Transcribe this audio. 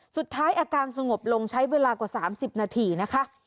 สุดท้ายอาการสงบลงใช้เวลากว่า๓๐นาทีนะคะ